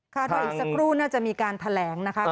รออีกสักครู่น่าจะมีการแถลงนะคะ